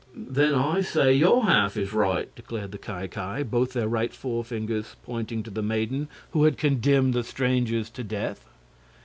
"Then I say your half is right," declared the Ki Ki, both their right forefingers pointing to the maiden who had condemned the strangers to death.